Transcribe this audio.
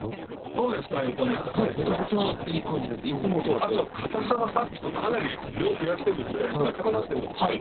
あと硬さはさっきとかなり量を増やしてるんで硬くなってるんですけど。